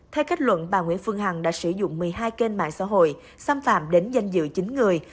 theo kết luận bà nguyễn phương hằng đã sử dụng một mươi hai kênh mạng xã hội xâm phạm đến danh dự chín người